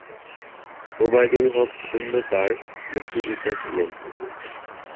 ওবায়দুল হক খোন্দকার মুক্তিযোদ্ধা ছিলেন।